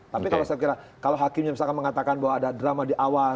tapi kalau saya kira kalau hakimnya misalkan mengatakan bahwa ada drama di awal